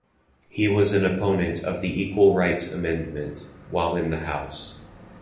He was an opponent of the Equal Rights Amendment while in the House.